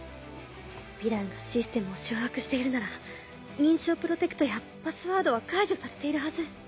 ヴィランがシステムを掌握しているなら認証プロテクトやパスワードは解除されているはず。